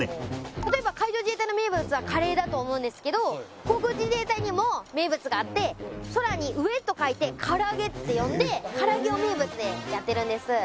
例えば海上自衛隊の名物はカレーだと思うんですけど航空自衛隊にも名物があって「空」に「上」と書いて「空上げ」って読んで唐揚げを名物でやってるんです。